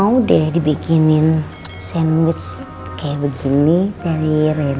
aduh lah temen became couple